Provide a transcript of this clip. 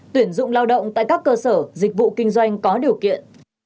tuyển dụng lao động tại các cơ sở dịch vụ kinh doanh có điều kiện